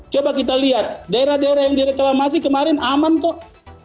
coba kita lihat daerah daerah yang direklamasi kemarin aman kok